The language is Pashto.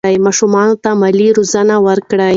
ماشومانو ته مالي روزنه ورکړئ.